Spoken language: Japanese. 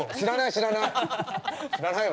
知らない！